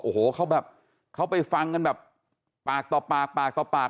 โอ้โหเขาแบบเขาไปฟังกันแบบปากต่อปากปากต่อปาก